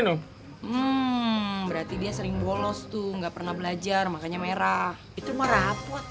tuh berarti dia sering bolos tuh nggak pernah belajar makanya merah itu merah